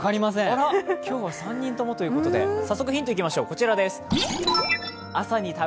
あらっ、今日は３人ともということで、早速ヒントいきましょう。